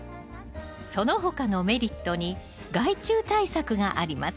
その他のメリットに害虫対策があります。